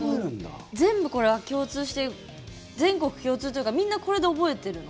全部、これは共通して全国共通というかみんなこれで覚えてるの？